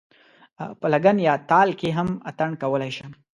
په لګن یا تال کې هم اتڼ کولای شم.